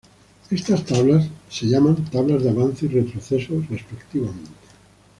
Estas tablas se llaman tablas de avance y retroceso respectivamente.